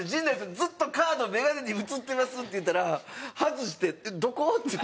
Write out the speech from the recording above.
ずっとカード眼鏡に映ってます」って言うたら外して「えっどこ？」って言って。